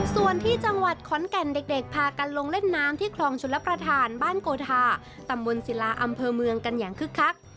ส่วนที่จังหวัดขอนแก่นเด็กพากันลงเล่นน้ำที่คลองชลประธานบ้านโกธาตำบลศิลาอำเภอเมืองกันอย่างคึกคัก